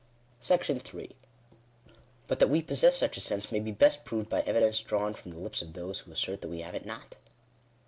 §8. But that we possess such a sense, may be best proved by evidence drawn from the lips of those who assert that we have it not.